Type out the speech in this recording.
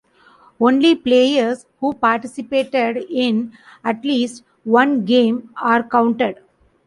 Only players who participated in at least one game are counted.